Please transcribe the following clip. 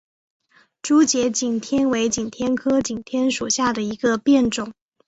珠节景天为景天科景天属下的一个变种。